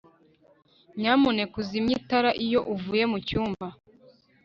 nyamuneka uzimye itara iyo uvuye mucyumba